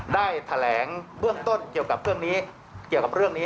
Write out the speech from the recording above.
ได้แถลงเบื้องต้นเกี่ยวกับเรื่องนี้